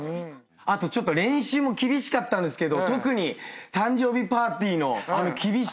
あとちょっと練習も厳しかったんですけど特に誕生日パーティーのあの厳しいルール。